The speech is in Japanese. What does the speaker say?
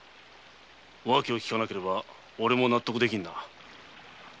訳を聞かなければオレも納得できぬな。